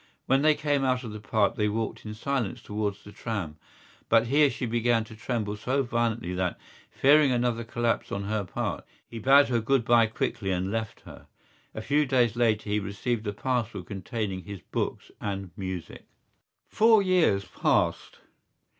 When they came out of the Park they walked in silence towards the tram; but here she began to tremble so violently that, fearing another collapse on her part, he bade her good bye quickly and left her. A few days later he received a parcel containing his books and music. Four years passed.